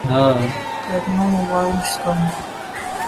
techno mobiles come